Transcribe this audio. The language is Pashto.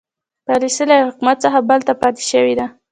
پالیسي له یوه حکومت څخه بل ته پاتې شوې ده.